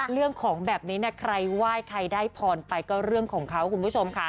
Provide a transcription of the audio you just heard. เรื่องของแบบนี้นะใครไหว้ใครได้พรไปก็เรื่องของเขาคุณผู้ชมค่ะ